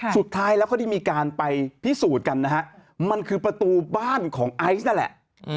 สุดท้ายแล้วเขาได้มีการไปพิสูจน์กันนะฮะมันคือประตูบ้านของไอซ์นั่นแหละ